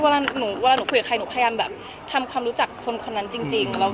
เวลาหนูคุยกับใครหนูพยายามแบบทำความรู้จักคนนั้นจริง